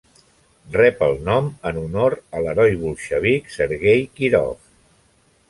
Rep el nom en honor a l'heroi bolxevic Sergej Kirov.